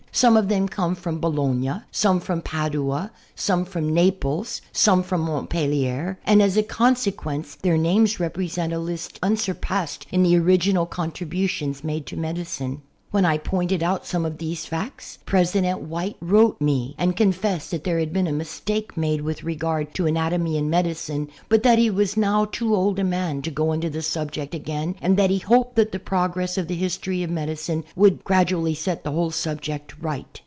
Some of them came from Bologna, some from Padua, some from Naples, some from Montpellier, and, as a consequence, their names represent a list unsurpassed in the original contributions made to medicine. When I pointed out some of these facts President White wrote me and confessed that there had been a mistake made with regard to anatomy and medicine, but that he was now too old a man to go into the subject again and that he hoped that the progress of the history of medicine would gradually set the whole subject right.